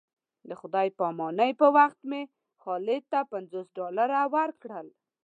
د خدای په امانۍ پر وخت مې خالد ته پنځوس ډالره ورکړل.